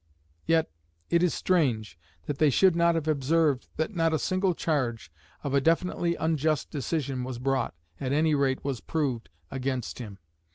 Yet it is strange that they should not have observed that not a single charge of a definitely unjust decision was brought, at any rate was proved, against him.